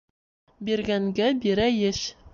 Биргәнгә бирәйеш